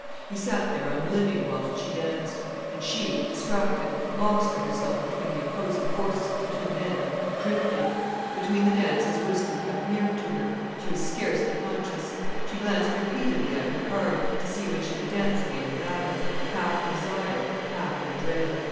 He sat there unliving whilst she danced. And she, distracted, lost to herself between the opposing forces of the two men, drifted. Between the dances, Whiston kept near to her. She was scarcely conscious. She glanced repeatedly at her card, to see when she would dance again with Adams, half in desire, half in dread.